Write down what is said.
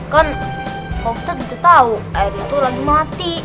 kan bostak itu tau airnya lagi mati